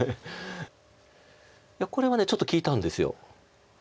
いやこれはちょっと利いたんです。